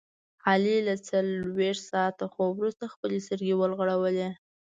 علي له څلوریشت ساعته خوب ورسته خپلې سترګې وغړولې.